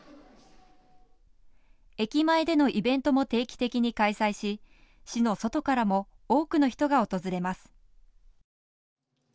駅前でのイベントも定期的に開催し市の外からも多くの人が訪れます。